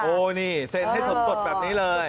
นี่เซ็นให้สดแบบนี้เลย